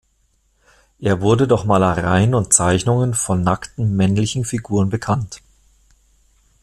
Er wurde durch Malereien und Zeichnungen von nackten männlichen Figuren bekannt.